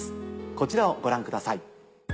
こちらをご覧ください。